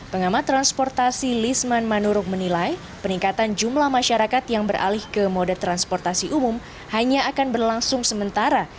pengamat transportasi lisman manuruk menilai peningkatan jumlah masyarakat yang beralih ke mode transportasi umum hanya akan berlangsung sementara